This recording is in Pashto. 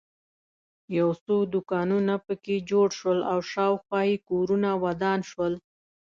یو څو دوکانونه په کې جوړ شول او شاخوا یې کورونه ودان شول.